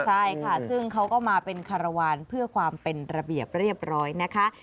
ใช่ค่ะซึ่งเขาก็มาเป็นคารวาลเพื่อความเป็นระเบียบเรียบร้อยนะคะ